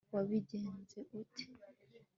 wabigenze ute